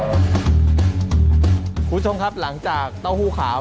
คุณผู้ชมครับหลังจากเต้าหู้ขาว